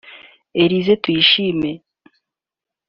Elissa Tuyishime